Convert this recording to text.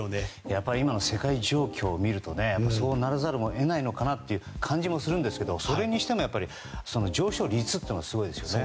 やっぱり今の世界状況を見るとそうならざるを得ないという感じもしますがそれにしても上昇率というのがすごいですよね。